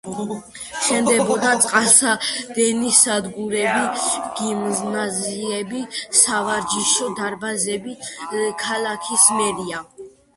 შენდებოდა წყალსადენი სადგურები, გიმნაზიები, სავარჯიშო დარბაზები, ქალაქის მერია.